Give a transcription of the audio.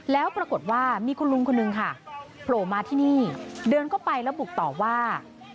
แล้วปรากฏว่ามีคุณลุงคนนึงค่ะโผล่มาที่นี่เดินเข้าไปแล้วบุกต่อว่า